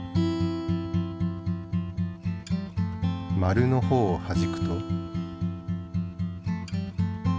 丸の方をはじくと。